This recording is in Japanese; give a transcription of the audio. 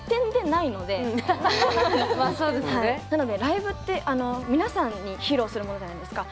なのでライブって皆さんに披露するものじゃないですか。